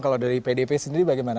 kalau dari pdp sendiri bagaimana